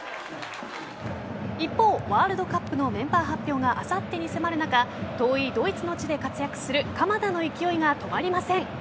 一方ワールドカップのメンバー発表があさってに迫る中遠いドイツの地で活躍する鎌田の勢いが止まりません。